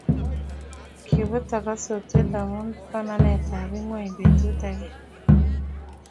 kibutoko sotwe omu botanekab ng'weny betut age